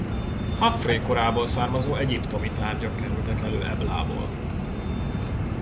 Hafré korából származó egyiptomi tárgyak kerültek elő Eblából.